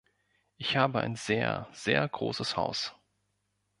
Ich habe ein sehr, sehr großes Haus.